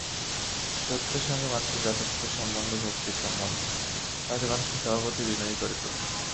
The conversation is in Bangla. সত্যের সঙ্গে মানুষের যথার্থ সম্বন্ধ ভক্তির সম্বন্ধ– তাহাতে মানুষকে স্বভাবতই বিনয়ী করিয়া তোলে।